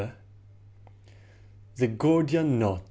THE GORDIAN KNOT.